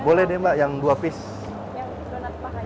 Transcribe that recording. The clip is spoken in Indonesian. boleh nih mbak yang dua piece